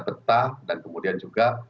peta dan kemudian juga